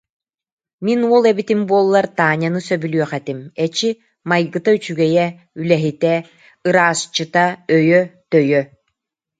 «Мин уол эбитим буоллар Таняны сөбүлүөх этим, эчи, майгыта үчүгэйэ, үлэһитэ, ыраасчыта, өйө-төйө